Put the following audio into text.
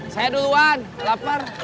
saya duluan laper